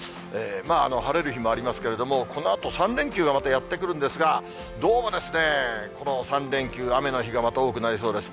晴れる日もありますけれども、このあと３連休がまたやってくるんですが、どうもですね、この３連休、雨の日がまた多くなりそうです。